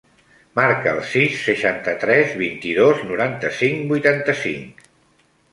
Marca el sis, seixanta-tres, vint-i-dos, noranta-cinc, vuitanta-cinc.